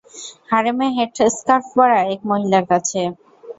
হারেমে headscarf পড়া এক মহিলার কাছে?